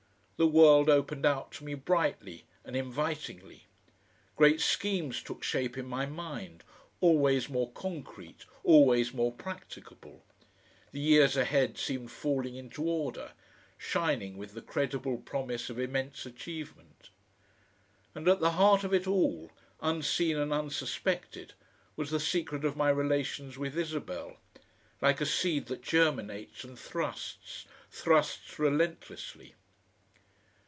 The world opened out to me brightly and invitingly. Great schemes took shape in my mind, always more concrete, always more practicable; the years ahead seemed falling into order, shining with the credible promise of immense achievement. And at the heart of it all, unseen and unsuspected, was the secret of my relations with Isabel like a seed that germinates and thrusts, thrusts relentlessly.